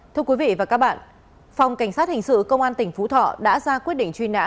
thưa quý vị và các bạn phòng cảnh sát hình sự công an tỉnh phú thọ đã ra quyết định truy nã